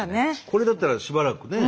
これだったらしばらくね。